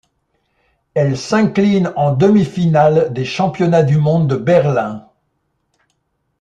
Elle s'incline en demi-finale des Championnats du monde de Berlin.